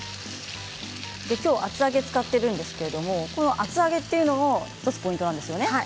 きょうは厚揚げを使っているんですけれども厚揚げというのも１つポイントなんですよね。